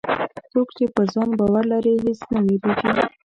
څوک چې پر ځان باور لري، هېڅ نه وېرېږي.